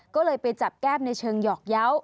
ก็เลยไปจับแก้มในเชิงหยอกเยาว์